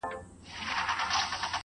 څومره بلند دی.